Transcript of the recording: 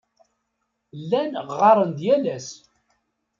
Llan ɣɣaren-d yal ass.